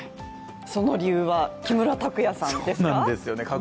その理由は、木村拓哉さんですか。